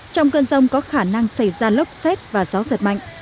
trong cơn rông có khả năng xảy ra lốc xét và gió giật mạnh